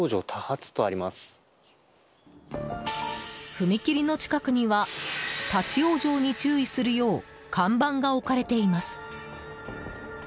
踏切の近くには立ち往生に注意するよう看板が置かれています。